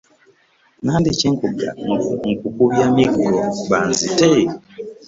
Nandiki kunkubya miggo banzite?